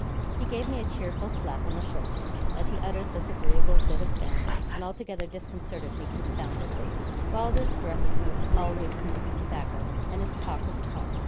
He gave me a cheerful slap on the shoulder as he uttered this agreeable bit of banter, and altogether disconcerted me confoundedly. Wylder's dress coats always smelt of tobacco, and his talk of tar.